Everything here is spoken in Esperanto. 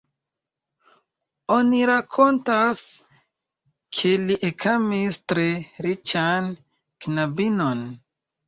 Oni rakontas, ke li ekamis tre riĉan knabinon.